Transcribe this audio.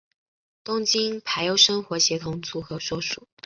东京俳优生活协同组合所属。